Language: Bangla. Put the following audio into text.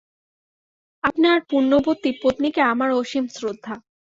আপনার পুণ্যবতী পত্নীকে আমার অসীম শ্রদ্ধা।